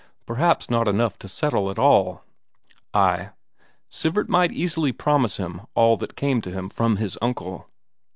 Perhaps not enough to settle at all. Ay, Sivert might easily promise him all that came to him from his uncle!